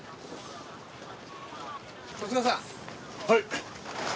はい。